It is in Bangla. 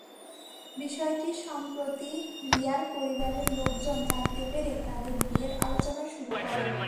বিষয়টি সম্প্রতি রিয়ার পরিবারের লোকজন জানতে পেরে তাদের বিয়ের আলোচনা শুরু করেন।